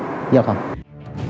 đây là câu trả lời